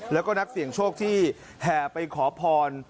แล้วก็นักเสี่ยงโชคที่แห่ไปขอพร